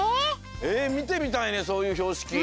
えみてみたいねそういうひょうしき。